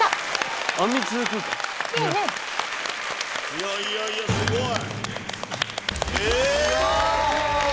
いやいやすごい！